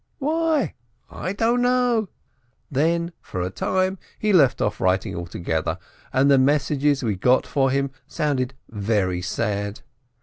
Why? I don't know ! Then, for a time, he left off writing altogether, and the messages we got from him sounded very sad.